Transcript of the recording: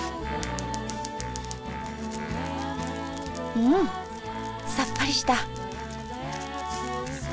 うんさっぱりした。